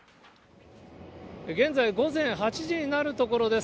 現在、午前８時になるところです。